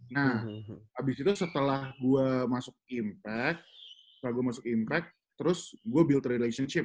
nah abis itu setelah gua masuk impact setelah gua masuk impact terus gua build relationship